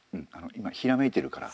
今ひらめいてるから。